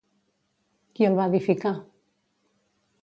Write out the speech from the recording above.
Qui el va edificar?